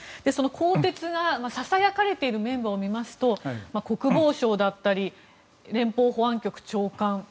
更迭がささやかれているメンバーを見ますと国防相だったり連邦保安局長官